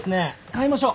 買いましょう！